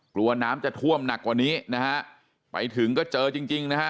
กลัวน้ำจะท่วมหนักกว่านี้นะฮะไปถึงก็เจอจริงจริงนะฮะ